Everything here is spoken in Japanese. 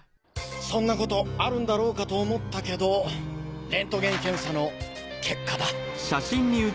そんなことあるんだろうかと思ったけどレントゲン検査の結果だ。